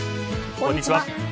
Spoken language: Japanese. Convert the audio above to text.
こんにちは。